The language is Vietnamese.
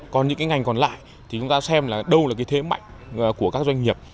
còn những ngành còn lại thì chúng ta xem là đâu là thế mạnh của các doanh nghiệp